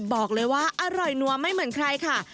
บอกเลยว่าอร่อยนัวไม่เหมือนใครค่ะ